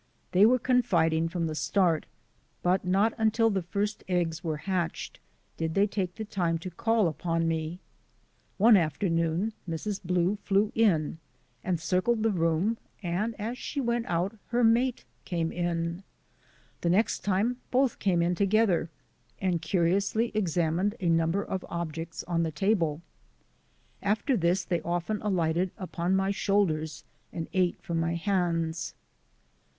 They were confiding from the start, but not until the first eggs were hatched did they take time to call upon me. One afternoon Mrs. Blue flew in and circled the room and as she went out her mate came in. The next time both came in to gether and curiously examined a number of ob jects on the table. After this they often alighted upon my shoulders and ate from my hands.